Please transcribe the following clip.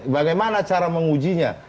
bagaimana cara mengujinya